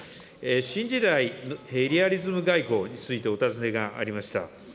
新時代リアリズム外交についてお尋ねがありました。